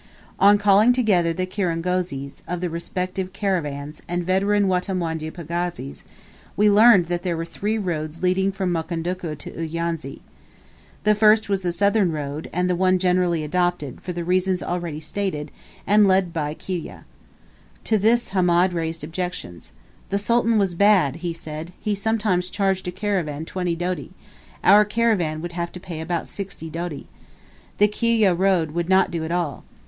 On calling together the kirangozis of the respective caravans and veteran Wanyamwezi pagazis, we learned there were three roads leading from Mukondoku to Uyanzi. The first was the southern road, and the one generally adopted, for the reasons already stated, and led by Kiwyeh. To this Hamed raised objections. "The Sultan was bad," he said; "he sometimes charged a caravan twenty doti; our caravan would have to pay about sixty doti. The Kiwyeh road would not do at all.